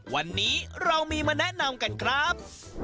วันนี้เรามีมาแนะนำกันครับ